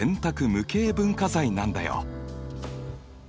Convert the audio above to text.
無形文化財なんだよ。